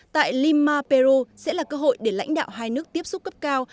một mươi một tại lima peru sẽ là cơ hội để lãnh đạo hai nước tiếp xúc cấp cao